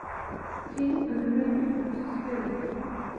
King agreed to participate.